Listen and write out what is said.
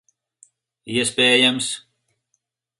Iespējams.